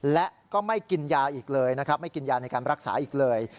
และก็ไม่กินยาอีกเลยนะครับไม่กินยาในการรักษาอีกเลย